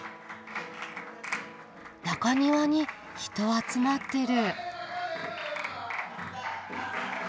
中庭に人集まってる。